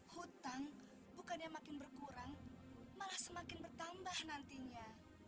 hutang bukannya makin berkurang malah semakin bertambah nantinya